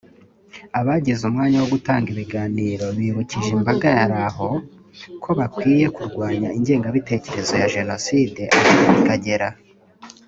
Abagize umwanya wo gutanga ibiganiro bibukije imbaga yari aho ko bakwiye kurwanya ingengabitekerezo ya Jenocide aho iva ikagera